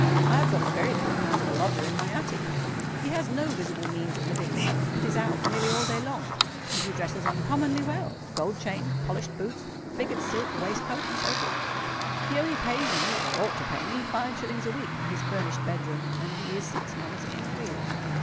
I have got a very queer kind of a lodger in my attic: he has no visible means of living, but is out nearly all day long; and he dresses uncommonly well—gold chain—polished boots—figured silk waistcoat—and so forth. He only pays me—or ought to pay me—five shillings a week for his furnished bed room; and he is six months in arrears.